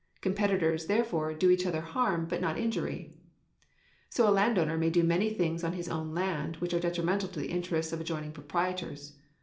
Competitors, therefore, do each other harm but not injury. So a landowner may do many things on his own land, which are detrimental to the interests of adjoining proprietors.